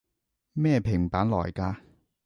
咩平板來㗎？